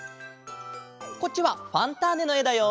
こっちは「ファンターネ！」のえだよ。